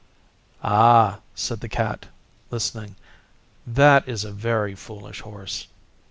'Ah,' said the Cat, listening, 'that is a very foolish Horse.